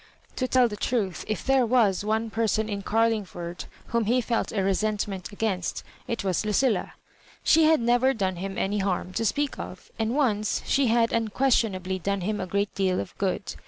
To tell the truth, if there was one person in Carluagford whom he felt a resentment against, it was Lu cilla. She had never done him any harm to speak o^ and once she had unquestionably done him a great deal of good.